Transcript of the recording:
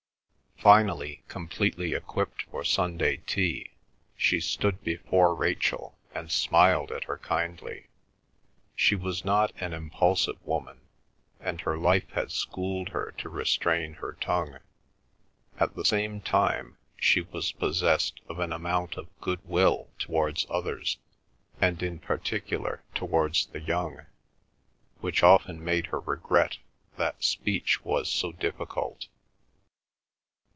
Finally, completely equipped for Sunday tea, she stood before Rachel, and smiled at her kindly. She was not an impulsive woman, and her life had schooled her to restrain her tongue. At the same time, she was possessed of an amount of good will towards others, and in particular towards the young, which often made her regret that speech was so difficult.